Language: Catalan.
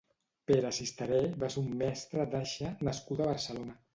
Pere Sisterè va ser un mestre d'aixa nascut a Barcelona.